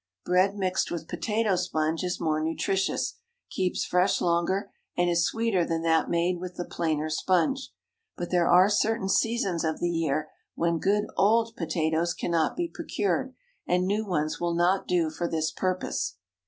Bread mixed with potato sponge is more nutritious, keeps fresh longer, and is sweeter than that made with the plainer sponge, But there are certain seasons of the year when good old potatoes cannot be procured, and new ones will not do for this purpose.